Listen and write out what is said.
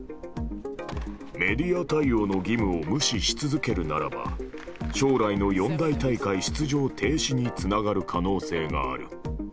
メディア対応の義務を無視し続けるならば将来の四大大会出場停止につながる可能性がある。